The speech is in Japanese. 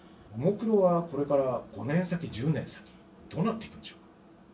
ももクロはこれから５年先１０年先どうなっていくんでしょうか？